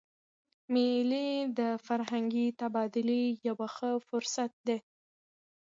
مېلې د فرهنګي تبادلې یو ښه فرصت يي.